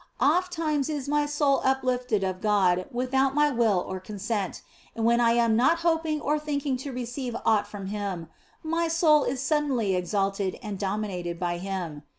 Ofttimes is my soul uplifted of God without my will or consent, and when I am not hoping or thinking to re ceive aught from Him, my soul is suddenly exalted and dominated by Him.